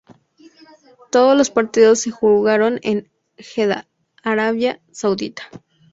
Todos los partidos se jugaron en Jeddah, Arabia Saudita.